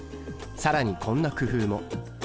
更にこんな工夫も。